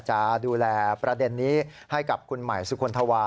จะดูแลประเด็นนี้ให้กับคุณใหม่สุคลธวา